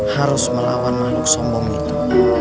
harus melawan makhluk sombong itu